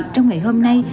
trong ngày hôm nay